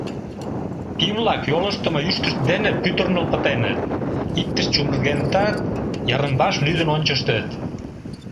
Пий-влак йолыштымо ӱштышт дене пӱтырныл пытеныт, иктыш чумыргенытат, йырым-ваш лӱдын ончыштыт.